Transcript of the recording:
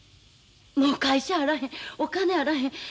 もう会社あらへんお金あらへん